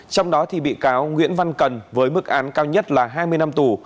trong đó bị cáo nguyễn văn cần với mức án cao nhất là hai mươi năm tù